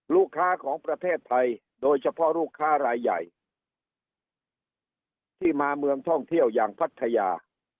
ลูกค้าของประเทศไทยโดยเฉพาะลูกค้ารายใหญ่ที่มาเมืองท่องเที่ยวอย่างพัทยา